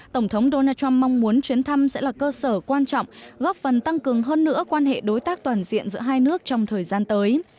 tổng thống donald trump mong muốn chuyến thăm sẽ là cơ sở quan trọng góp phần tăng cường hơn nữa quan hệ đối tác toàn diện giữa hai nước trong thời gian tới